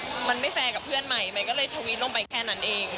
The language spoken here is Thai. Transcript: มันไม่แฟร์กับเพื่อนใหม่ใหม่ก็เลยทวิตลงไปแค่นั้นเอง